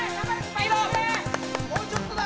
もうちょっとだ！